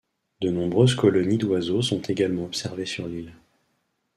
De nombreuses colonies d'oiseaux sont également observées sur l'île.